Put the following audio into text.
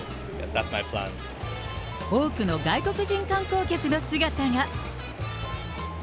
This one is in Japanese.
多くの外国人観光客の姿が。